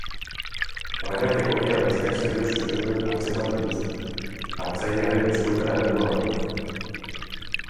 Orain arteko ia guztiak zerbitzu sekretuek atzeman dituzte, hartzailearen eskuetara heldu aurretik.